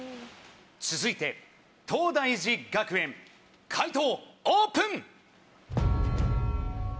続いて東大寺学園解答オープン！